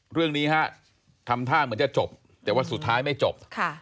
เรื่องนี้ฮะทำท่าเหมือนจะจบแต่ว่าสุดท้ายไม่จบ